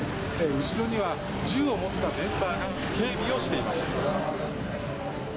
後ろには、銃を持ったメンバーが警備をしています。